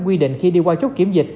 các quy định khi đi qua chốt kiểm dịch